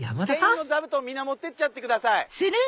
座布団みんな持ってっちゃってください。